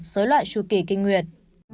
với loại chu kỳ kinh nguyệt